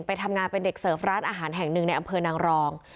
ไปทำงานเป็นเด็กเสิร์ฟร้านอาหารแห่งหนึ่งในอำเภอนางรอง